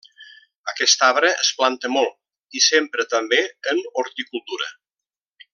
Aquest arbre es planta molt, i s'empra també en horticultura.